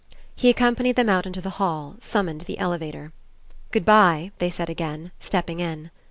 He accompanied them out into the hall, summoned the elevator. "Good bye," they said again, stepping in.